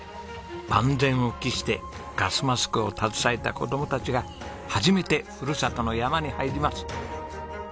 万全を期してガスマスクを携えた子供たちが初めてふるさとの山に入ります。